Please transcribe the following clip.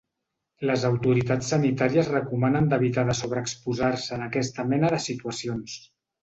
Les autoritats sanitàries recomanen d’evitar de sobreexposar-se en aquesta mena de situacions.